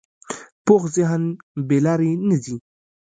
پوخ ذهن بې لارې نه ځي